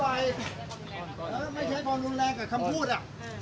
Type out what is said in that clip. แค่นั้นได้ไหมเหรอไม่ใช่มึงแน่นักจะทำอะไร